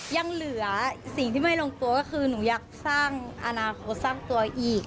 ยังเหลือสิ่งที่ไม่ลงตัวก็คือหนูอยากสร้างอนาคตสร้างตัวอีก